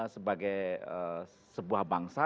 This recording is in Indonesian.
sebagai sebuah bangsa